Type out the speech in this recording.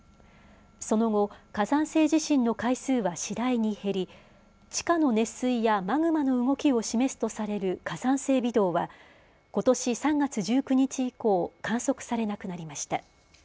その後、火山性地震の回数は次第に減り地下の熱水やマグマの動きを示すとされる火山性微動はことし３月１９日以降、観測されなくなりました。